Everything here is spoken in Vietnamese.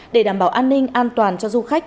để đảm bảo an ninh an toàn cho du khách